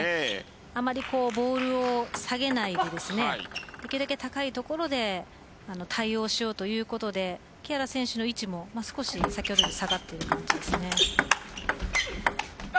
あまりボールを下げないでできるだけ高い所で対応しようということで木原選手の位置も先ほどより下がっているみたいですね。